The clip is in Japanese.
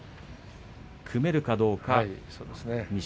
組めるかどうか錦